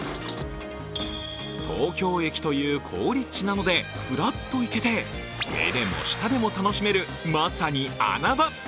東京駅という好立地なのでふらっと行けて、目でも舌でも楽しめるまさに穴場。